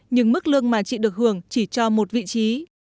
nhưng mức lương mà chị được hưởng chỉ cho một vị trí